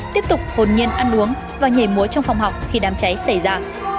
tiếp tục hồn nhiên ăn uống và nhảy múa trong phòng học khi đám cháy xảy ra